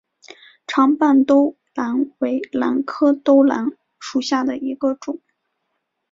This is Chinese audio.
长瓣兜兰为兰科兜兰属下的一个种。